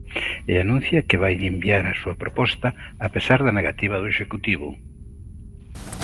E anuncia que vaille enviar a súa proposta, a pesar da negativa do executivo.